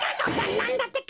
なんだってか？